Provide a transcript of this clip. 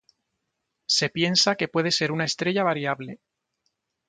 Se piensa que puede ser una estrella variable.